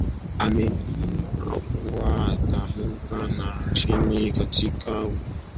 amejigamba kuwa ataibuka na ushindi katika uchaguzi huo